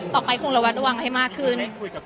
ต่อไปคงระวังอุวางให้มากขึ้น